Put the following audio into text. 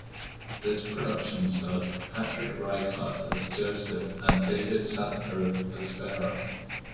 This production starred Patrick Ryecart as Joseph and David Sadgrove as Pharaoh.